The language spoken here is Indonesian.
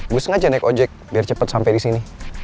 gue sengaja naik ojek biar cepet sampe disini